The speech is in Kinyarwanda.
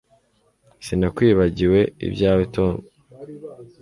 Sinakwibagiwe ibyawe Tom